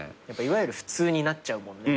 いわゆる普通になっちゃうもんね。